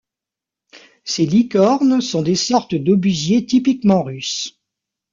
Ces licornes sont des sortes d'obusiers typiquement russe.